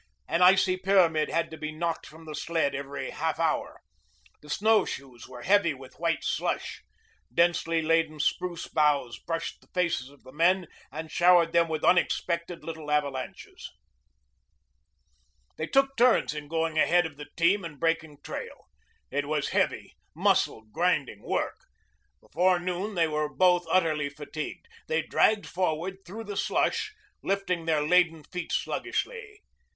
An icy pyramid had to be knocked from the sled every half hour. The snowshoes were heavy with white slush. Densely laden spruce boughs brushed the faces of the men and showered them with unexpected little avalanches. They took turns in going ahead of the team and breaking trail. It was heavy, muscle grinding work. Before noon they were both utterly fatigued. They dragged forward through the slush, lifting their laden feet sluggishly.